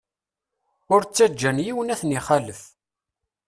Ur ttaǧǧan yiwen ad ten-ixalef.